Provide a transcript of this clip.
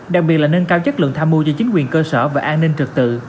đặc biệt là nâng cao chất lượng tham mưu cho chính quyền cơ sở và an ninh trật tự